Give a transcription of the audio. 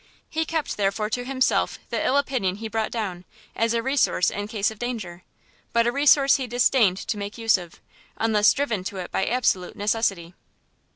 He kept, therefore, to himself the ill opinion he brought down, as a resource in case of danger, but a resource he disdained to make use of, unless driven to it by absolute necessity.